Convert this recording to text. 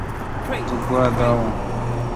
تو گوا دا وین۔